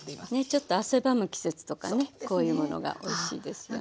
ちょっと汗ばむ季節とかねこういうものがおいしいですよね。